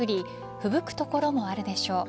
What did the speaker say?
ふぶく所もあるでしょう。